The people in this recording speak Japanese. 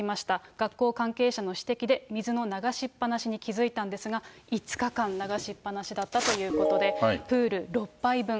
学校関係者の指摘で水の流しっぱなしに気付いたということなんですが、５日間流しっぱなしということでした。